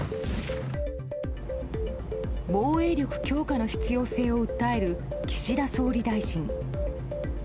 防衛力強化の必要性を訴える岸田総理大臣。